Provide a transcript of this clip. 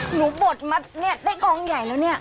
หนูบอตไหนเนี่ยได้กลองใหญ่แล้วเนี่ย